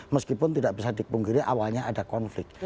meskipun tidak bisa dipungkiri awalnya ada konflik